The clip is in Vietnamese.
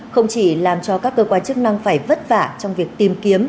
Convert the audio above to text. không chỉ làm cho các cơ quan chức năng phải vất vả trong việc tìm kiếm